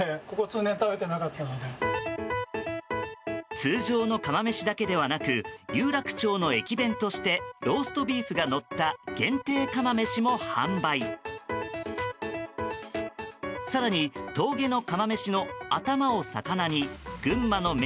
通常の釜めしだけではなく有楽町の駅弁としてローストビーフがのった限定釜めしも販売。